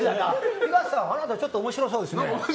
東さん、あなたちょっと面白そうですね。